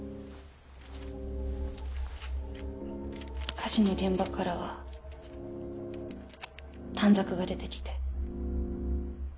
火事の現場からは短冊が出てきて。